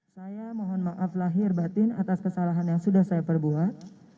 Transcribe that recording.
saya mohon maaf lahir batin atas kesalahan yang sudah saya perbuat